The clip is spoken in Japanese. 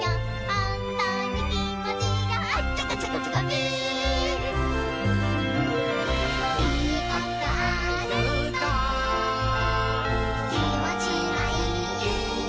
「ほんとにきもちがアチャカチョコチョコピー」「いいことあるときもちがいいよ」